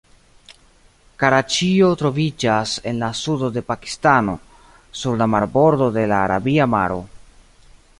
Karaĉio troviĝas en la sudo de Pakistano, sur la marbordo de la Arabia Maro.